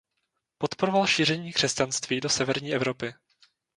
Podporoval šíření křesťanství do severní Evropy.